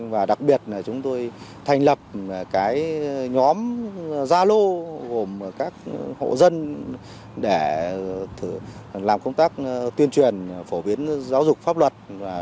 và đặc biệt là chúng tôi thành lập nhóm gia lô gồm các hộ dân để làm công tác tuyên truyền phổ biến giáo dục pháp luật